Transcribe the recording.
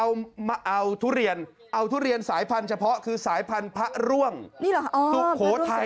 โยนมาเดี๋ยวรับลำบาก